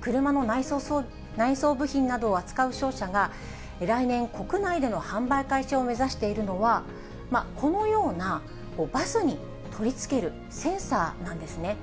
車の内装部品などを扱う商社が、来年、国内での販売開始を目指しているのは、このような、バスに取り付けるセンサーなんですね。